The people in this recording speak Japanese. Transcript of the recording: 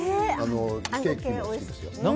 ケーキも好きですよ。